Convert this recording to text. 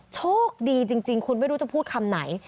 โชคดีจริงคุณไม่รู้จะพูดคำไหน